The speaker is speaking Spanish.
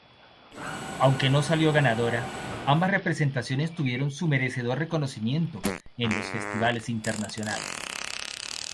Aunque no salió ganadora, ambas representaciones tuvieron su merecedor reconocimiento en los festivales internacionales.